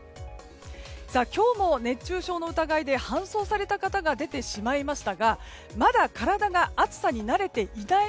今日も熱中症の疑いで搬送された方が出てしまいましたがまだ体が暑さに慣れていない